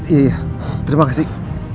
iya terima kasih